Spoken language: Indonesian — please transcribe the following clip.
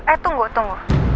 eh tunggu tunggu